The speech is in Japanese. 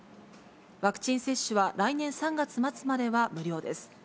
ワクチン接種は来年３月末までは無料です。